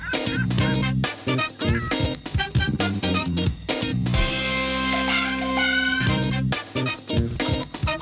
หมดดำใจเย็นก่อนหมดดำใจเย็น